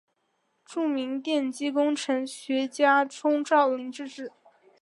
著名电机工程学家钟兆琳之子。